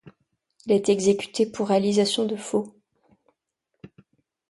Il a été exécuté pour réalisation de faux.